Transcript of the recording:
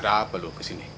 ada apa lo kesini